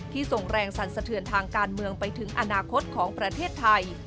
ที่ส่งแรงสรรเสริญทางการเมืองไปถึงอนาคตของประเทศไทย